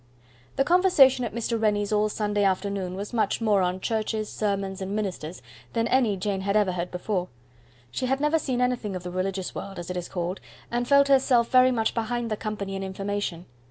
The conversation at Mr. Rennie's all Sunday afternoon was much more on churches, sermons, and ministers, than any Jane had ever heard before. She had never seen anything of the religious world, as it is called, and felt herself very much behind the company in information.